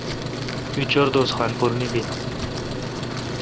می چور دوس خان پور می بیل۔